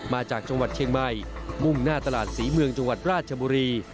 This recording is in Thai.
มาจากจังหวัดเชียงใหม่มุ่งหน้าตลาดศรีเมืองจังหวัดราชบุรี